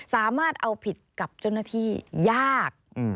สามารถเอาผิดกับเจ้าหน้าที่ยาก